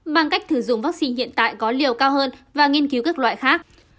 mang cách thử dụng vaccine hiện tại có liều cao hơn và nghiên cứu các loại khác